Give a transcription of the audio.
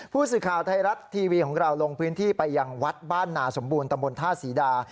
ผู้สื่อข่าวไทยรัฐทีวีของเราลงพื้นที่ไปยังวัดบ้านนาสมบูรณตำบลท่าศรีดา